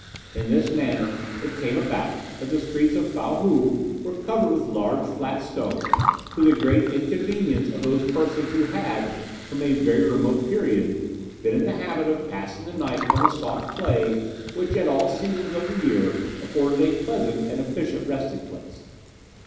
In this manner it came about that the streets of Fow Hou were covered with large flat stones, to the great inconvenience of those persons who had, from a very remote period, been in the habit of passing the night on the soft clay which at all seasons of the year afforded a pleasant and efficient resting place.